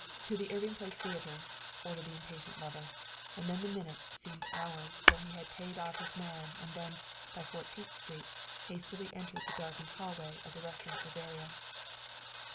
"To the Irving Place Theater," ordered the impatient lover, and then the minutes seemed hours till he had paid off his man, and then, by Fourteenth Street, hastily entered the darkened hallway of the Restaurant Bavaria.